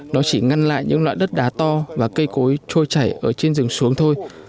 nó chỉ ngăn lại những loại đất đá to và cây cối trôi chảy ở trên rừng xuống thôi